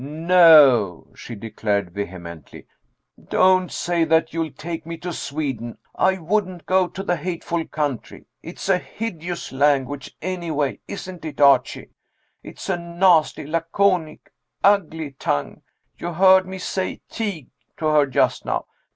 "No," she declared vehemently, "don't say that you'll take me to Sweden. I wouldn't go to the hateful country. It's a hideous language, anyway, isn't it, Archie? It is a nasty, laconic, ugly tongue. You heard me say Tig to her just now.